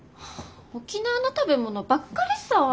沖縄の食べ物ばっかりさぁ。